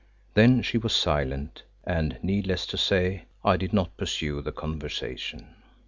Then she was silent, and, needless to say, I did not pursue the conversation.